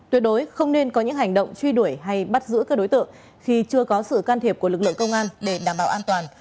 tuyệt đối không nên có những hành động truy đuổi hay bắt giữ các đối tượng khi chưa có sự can thiệp của lực lượng công an để đảm bảo an toàn